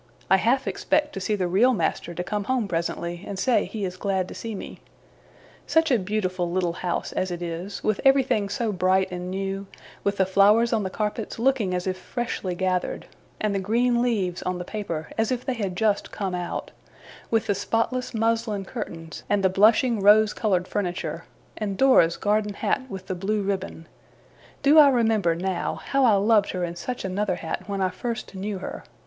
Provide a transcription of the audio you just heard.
I half expect the real master to come home presently, and say he is glad to see me. Such a beautiful little house as it is, with everything so bright and new; with the flowers on the carpets looking as if freshly gathered, and the green leaves on the paper as if they had just come out; with the spotless muslin curtains, and the blushing rose coloured furniture, and Dora's garden hat with the blue ribbon do I remember, now, how I loved her in such another hat when I first knew her!